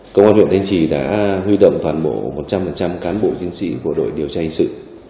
công an huyện thanh trì đã huy động toàn bộ một trăm linh cán bộ chiến sĩ bộ đội điều tra hình sự